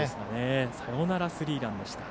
サヨナラスリーランでした。